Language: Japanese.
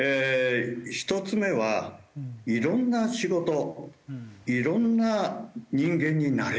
１つ目はいろんな仕事いろんな人間になれる事ですね。